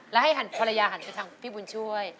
แล้วให้หันภรรยาหันไปทางพี่บุญช่วย